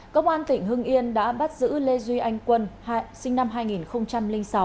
công an tỉnh hưng yên đã bắt giữ lê duy anh quân sinh năm hai nghìn sáu